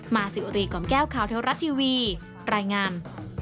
มาสิโอดีกว่าแก้วขาวเท้ารัดทีวีรายงาน